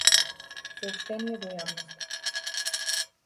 Сооштение до јавноста.